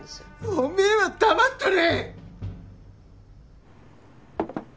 おめぇは黙っとれ。